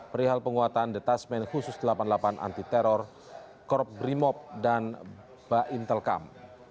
perihal penguatan detasmen khusus delapan puluh delapan anti teror korp brimob dan ba intelkam